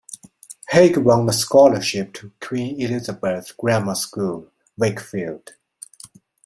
Haigh won a scholarship to Queen Elizabeth Grammar School, Wakefield.